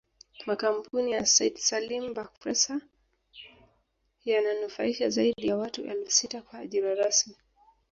Makampuni ya Said Salim Bakhresa yananufaisha zaidi ya watu elfu sita kwa ajira rasmi